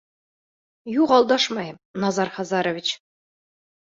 Юҡ, алдашмайым, Назар Хазарович!